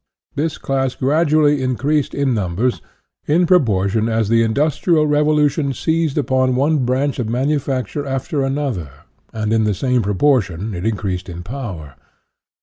This class gradually in creased in numbers, in proportion as the indus trial revolution seized upon one branch of manu facture after another, and in the same proportion it increased in power.